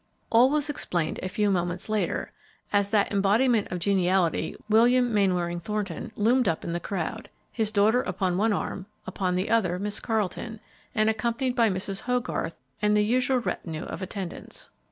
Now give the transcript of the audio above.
All was explained a few moments later, as that embodiment of geniality, William Mainwaring Thornton, loomed up in the crowd, his daughter upon one arm, upon the other Miss Carleton, and accompanied by Mrs. Hogarth and the usual retinue of attendants.